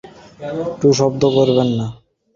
আমি নিঃসন্দেহে বলতে পারি, সে এবিষয়ে টু শব্দও করবেনা।